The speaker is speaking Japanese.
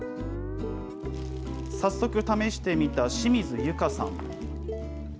早速、試してみた清水優香さん。